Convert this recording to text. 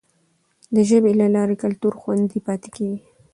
د ژبي له لارې کلتور خوندي پاتې کیږي.